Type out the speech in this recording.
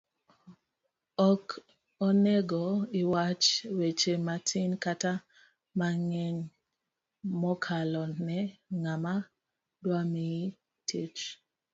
ok onego iwach weche matin kata mang'eny mokalo ne ng'ama dwamiyi tich